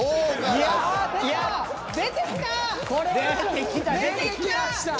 いやぁ出てきた！